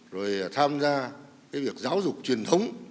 rồi tham gia cái việc giáo dục truyền thống